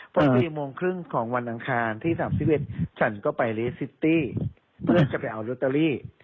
เพราะสี่โมงครึ่งของวันอังคารที่สามสิบเอ็ดฉันก็ไปเรซ์ซิตี้เพื่อจะไปเอาร์โรตเตอรี่